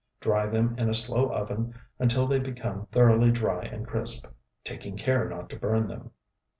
Dry them in a slow oven until they become thoroughly dry and crisp, taking care not to burn them.